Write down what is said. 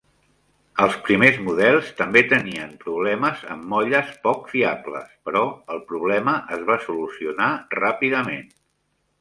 Els primers models també tenien problemes amb molles poc fiables, però el problema es va solucionar ràpidament.